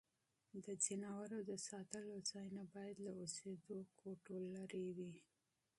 د حیواناتو د ساتلو ځایونه باید له اوسېدو کوټو لیري وي.